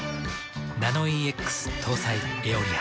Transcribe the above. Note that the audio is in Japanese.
ナノイーＸ搭載「エオリア」。